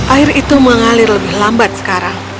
air itu mengalir lebih lambat sekarang